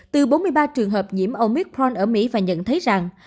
từ bốn mươi ba trường hợp nhiễm omicron ở mỹ và nhận thấy rằng